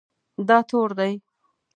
دا تور دی